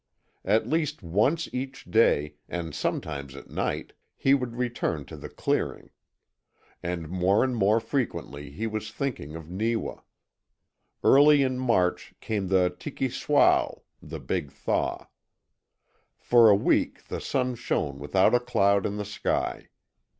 At least once each day, and sometimes at night, he would return to the clearing. And more and more frequently he was thinking of Neewa. Early in March came the Tiki Swao (the Big Thaw). For a week the sun shone without a cloud in the sky.